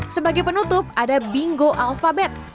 sebagai penutup ada bingo alfabet